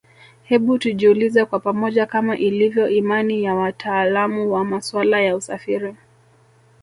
Hebu tujiulize kwa pamoja Kama ilivyo imani ya watalaamu wa masuala ya usafiri